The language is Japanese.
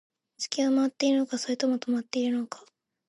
地球は回っているのか、それとも止まっているのか